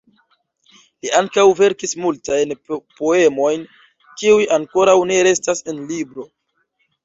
Li ankaŭ verkis multajn poemojn kiuj ankoraŭ ne restas en libro.